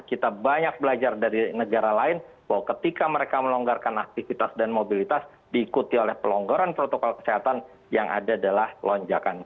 kita banyak belajar dari negara lain bahwa ketika mereka melonggarkan aktivitas dan mobilitas diikuti oleh pelonggaran protokol kesehatan yang ada adalah lonjakan